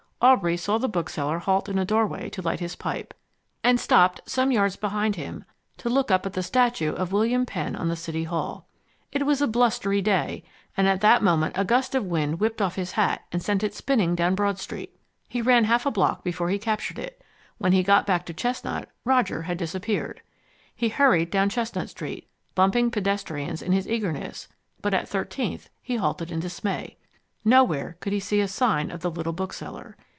Aubrey saw the bookseller halt in a doorway to light his pipe, and stopped some yards behind him to look up at the statue of William Penn on the City Hall. It was a blustery day, and at that moment a gust of wind whipped off his hat and sent it spinning down Broad Street. He ran half a block before he recaptured it. When he got back to Chestnut, Roger had disappeared. He hurried down Chestnut Street, bumping pedestrians in his eagerness, but at Thirteenth he halted in dismay. Nowhere could he see a sign of the little bookseller.